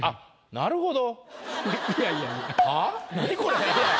なるほど。